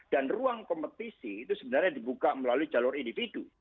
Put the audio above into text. dan ruang kompetisi itu sebenarnya dibuka melalui jalur individu